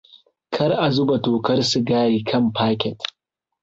Kar a zuba tokar sigari kan kafet.